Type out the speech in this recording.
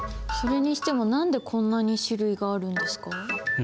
それにしても何でこんなに種類があるんですか？